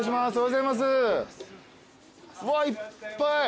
うわっいっぱい！